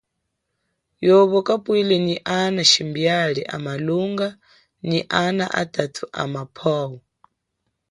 Yobo kapwile nyi ana shimbiali a malunga, nyi ana atathu amapwo.